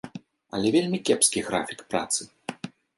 Але вельмі кепскі графік працы.